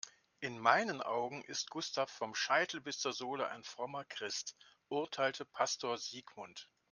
In meinen Augen ist Gustav vom Scheitel bis zur Sohle ein frommer Christ, urteilte Pastor Sigmund.